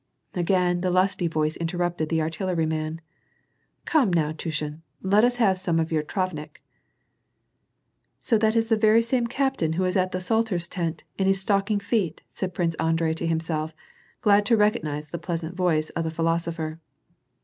Again, the lusty voice inteiTupted the artilleryman, —" Come, now, Tushin, let us have some of your travnik." ♦" So that is the very same captain who was at the sutler's tent, in his stocking feet," said Prince Andrei to himself, glad to recognize the pleasant voice of the philosopher.